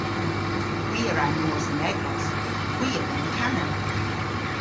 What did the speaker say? Hwi a wra mos dhe'n eglos. Hwi a vynn kana.